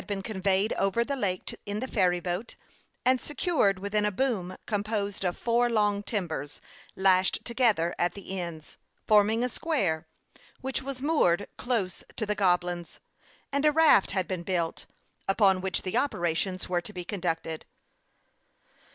107 been conveyed over the lake in the ferry boat, and secured within a " boom " composed of four long timbers, lashed together at the ends, forming a square, which was moored close to the Goblins ; and a raft had been built, upon which the operations were to be conducted.